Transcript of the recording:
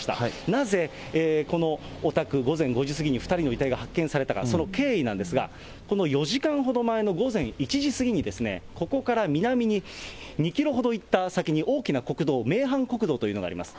なぜ、このお宅、午前５時過ぎに２人の遺体が発見されたか、その経緯なんですが、この４時間ほど前の午前１時過ぎに、ここから南に２キロほど行った先に大きな国道、名阪国道というのがあります。